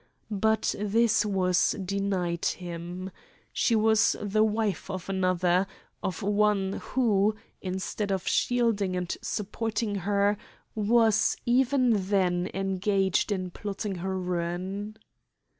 But this was denied him. She was the wife of another, of one who, instead of shielding and supporting her, was even then engaged in plotting her ruin.